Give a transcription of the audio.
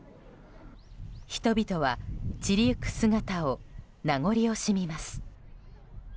人々は散りゆく姿を名残惜しみます。